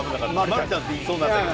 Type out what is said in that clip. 「マルちゃん」って言いそうになったけど。